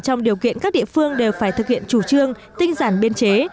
trong điều kiện các địa phương đều phải thực hiện chủ trương tinh giản biên chế